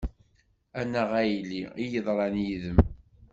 Annaɣ a yelli, i yeḍran yid-m.